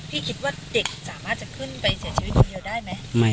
คิดว่าเด็กสามารถจะขึ้นไปเสียชีวิตคนเดียวได้ไหม